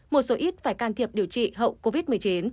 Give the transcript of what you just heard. một số ít phải can thiệp điều trị hậu covid một mươi chín